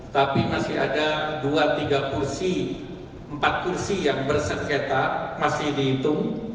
tapi masih ada dua tiga kursi empat kursi yang bersengketa masih dihitung